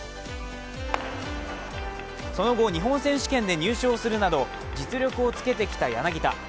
その後、日本選手権で入賞するなど実力をつけてきた柳田。